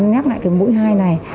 nhắp lại cái mũi hai này